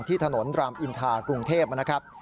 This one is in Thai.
ถนนรามอินทากรุงเทพนะครับ